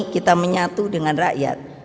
kita menyatu dengan rakyat